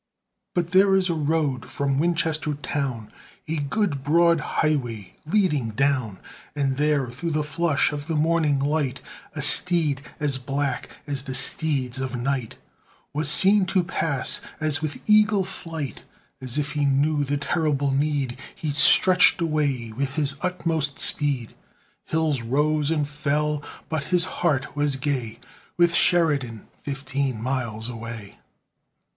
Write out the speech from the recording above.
But there is a road from Winchester town, A good, broad highway leading down: And there, through the flush of the morning light, A steed as black as the steeds of night Was seen to pass, as with eagle flight; As if he knew the terrible need, He stretched away with his utmost speed. Hills rose and fell, but his heart was gay, With Sheridan fifteen miles away.